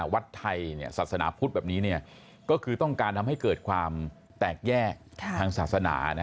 วัดไทยศาสนาพุทธแบบนี้ก็คือต้องการทำให้เกิดความแตกแยกทางศาสนา